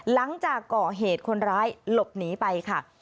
หลังจากก่อเหตุคนร้ายหลบหนีไปค่ะ